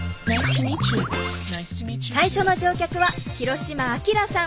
最初の乗客は廣島晶さん。